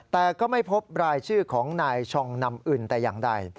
แต่ก็ไม่พบรายชื่อของนายชองนำอึนแต่อย่างใด